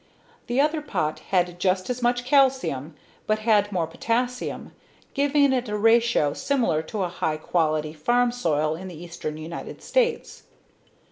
The other pot had just as much calcium but had more potassium, giving it a ratio similar to a high quality farm soil in the eastern United States.